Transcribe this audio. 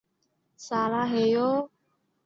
长春西新经济技术开发区的土地属于绿园区。